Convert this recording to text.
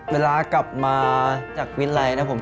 เวลากลับมาจากวิรัยนะผม